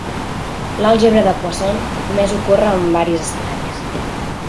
L'àlgebra de Poisson només ocorre en varis escenaris.